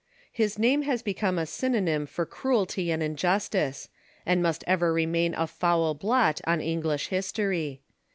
His name has become a synonym for cruelty and injustice, and must ever remain a foul blot on English history.